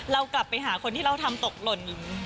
เรากลับไปหาคนที่เราทำตกหล่น